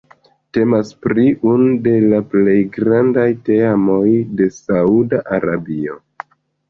Temas pri unu de la plej grandaj teamoj de Sauda Arabio.